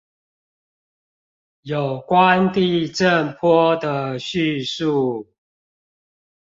有關地震波的敘述